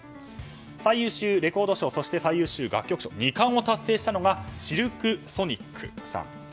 最優秀レコード賞そして最優秀楽曲賞２冠を達成したのがシルク・ソニックさん。